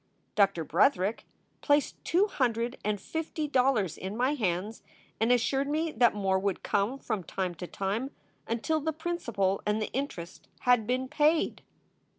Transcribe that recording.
Doctor Bretherick placed two hundred and fifty dollars in my hands and assured me that more would come from time to time until the principal and the interest had been paid.